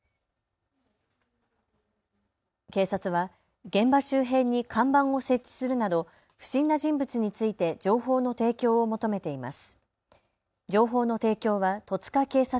警察は現場周辺に看板を設置するなど不審な人物について情報の提供を求めています。